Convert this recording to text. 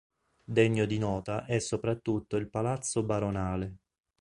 Degno di nota è soprattutto il Palazzo Baronale.